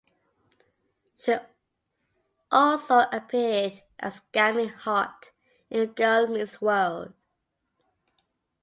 She also appeared as Gammy Hart in "Girl Meets World".